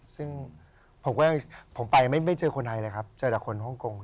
ซึ่งผมก็ผมไปไม่เจอคนไทยเลยครับเจอแต่คนฮ่องกง